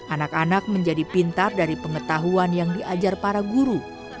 anak anak menjadi pintar dari pengetahuan yang diajar para guru